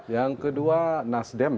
yang kedua nasdem ya